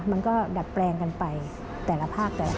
มันก็ดัดแปลงกันไปแต่ละภาคแต่ละ